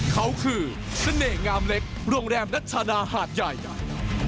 เขาคือสเน่งามเล็กร่วงแรมนัชฌาณาหาดใหญ่